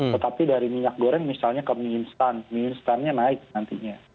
tetapi dari minyak goreng misalnya ke mie instan mie instannya naik nantinya